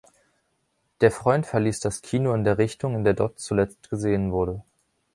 Der Freund verließ das Kino in der Richtung, in der Dodd zuletzt gesehen wurde.